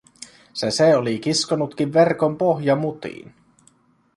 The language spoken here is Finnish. Se se oli kiskonutkin verkon pohjamutiin.